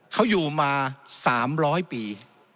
เขาอยู่มา๓๐๐ปี